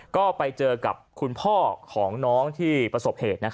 ก็ไปเจอกับคุณพ่อของน้องที่ประสบเหตุ